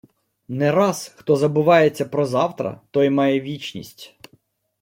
Не раз, хто забувається про завтра, той має вічність.